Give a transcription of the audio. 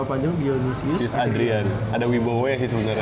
ada wibowo ya sih sebenernya